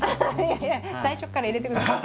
いやいや最初から入れてください。